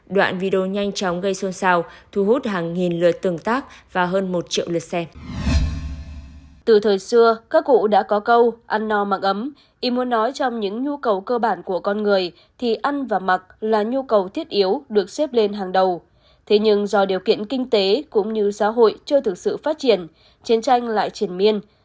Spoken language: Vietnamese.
đoạn video nhanh chóng gây xôn xao thu hút hàng nghìn lượt tường tác và hơn một triệu lượt xem